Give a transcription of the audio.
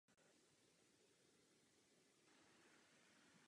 Ceny tarifu Volání bez hranic se nemění.